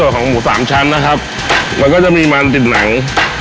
ก็มีมันติดหนัง